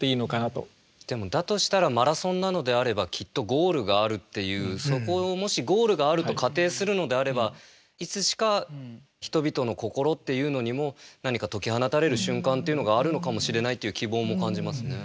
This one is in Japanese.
でもだとしたらマラソンなのであればきっとゴールがあるっていうそこをもしゴールがあると仮定するのであればいつしか人々の心っていうのにも何か解き放たれる瞬間というのがあるのかもしれないという希望も感じますね。